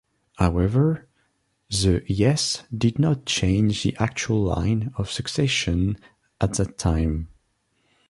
However, the 'yes' did not change the actual line of succession at that time.